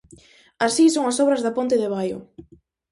Así son as obras da ponte de Baio.